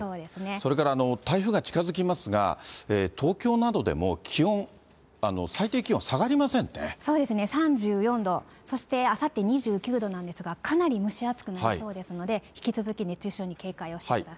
それから台風が近づきますが、東京などでも気温、そうですね、３４度、そしてあさって２９度なんですが、かなり蒸し暑くなりそうですので、引き続き熱中症に警戒をしてください。